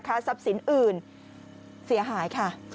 ที่สับสินอื่นเสียหายค่ะ